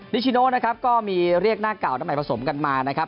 นิชิโนนะครับก็มีเรียกหน้าเก่าหน้าใหม่ผสมกันมานะครับ